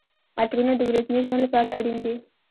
عطرونه د ورځني ژوند لپاره اړین دي.